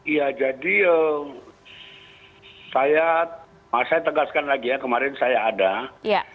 iya jadi saya tegaskan lagi ya kemarin saya ada